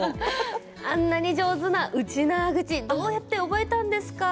あんなに上手なウチナーグチどうやって覚えたんですか？